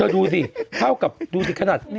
ดูสิเท่ากับดูสิขนาด